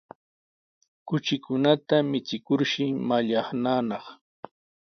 Kuchikunata michikurshi mallaqnanaq.